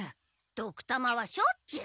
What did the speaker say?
ドクたまはしょっちゅう！